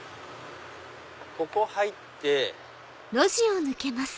ここ入って。